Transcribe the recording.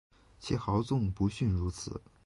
其豪纵不逊如此。